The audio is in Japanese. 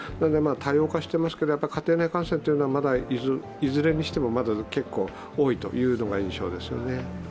多様化していますけれども、家庭内感染は、いずれにしてもまだ結構多いという印象ですね。